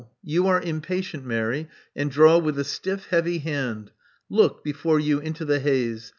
You are impatient, Mary, and draw with a stiff, heavy hand. Look before you into the haze.